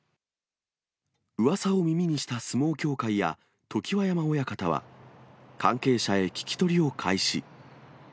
うわさを耳にした相撲協会や常盤山親方は、関係者へ聞き取りを開始。